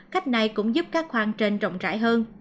cách này cũng giúp các khoang trên rộng rãi hơn